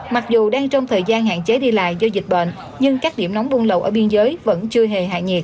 mặc dù đang trong thời gian hạn chế đi lại do dịch bệnh nhưng các điểm nóng buông lầu ở biên giới vẫn chưa hề hại nhiệt